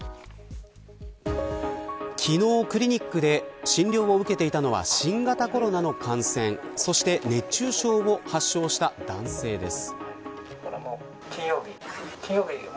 昨日、クリニックで診療を受けていたのは新型コロナの感染そして、熱中症を発症した男性です。